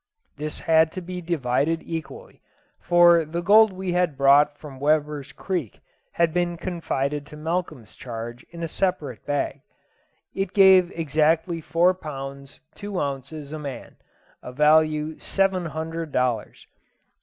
This had to be divided equally, for the gold we had brought from Weber's Creek had been confided to Malcolm's charge in a separate bag. It gave exactly four pounds two ounces a man value seven hundred dollars.